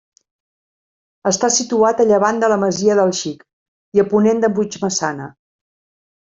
Està situat a llevant de la Masia del Xic i a ponent de Puigmaçana.